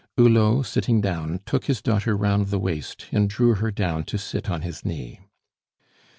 Hulot, sitting down, took his daughter round the waist, and drew her down to sit on his knee.